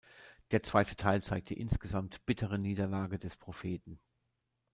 Der zweite Teil zeigt die insgesamt bittere Niederlage des Propheten.